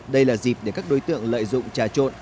đây là dịp để các đối tượng lợi dụng trà trộn